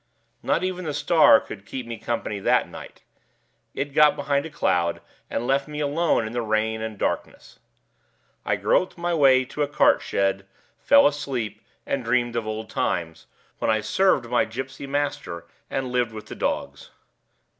Not even the star would keep me company that night. It got behind a cloud, and left me alone in the rain and darkness. I groped my way to a cart shed, fell asleep, and dreamed of old times, when I served my gypsy master and lived with the dogs.